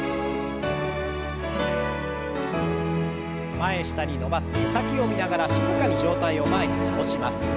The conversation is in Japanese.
前下に伸ばす手先を見ながら静かに上体を前に倒します。